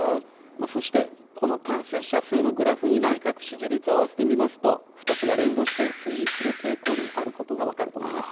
そしてこの感染者数のグラフ内閣支持率を合わせて見ますと２つが連動して推移する傾向になることが分かります。